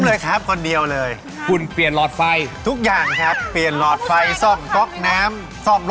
โชคความแม่นแทนนุ่มในศึกที่๒กันแล้วล่ะครับ